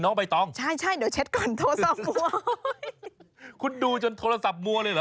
ใบตองใช่ใช่เดี๋ยวเช็ดก่อนโทรศัพท์กลัวคุณดูจนโทรศัพท์มัวเลยเหรอ